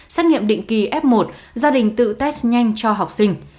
xét nghiệm định kỳ f một gia đình tự test nhanh cho học sinh